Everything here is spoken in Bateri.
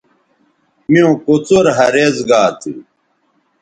میوں کوڅر ھریز گا تھو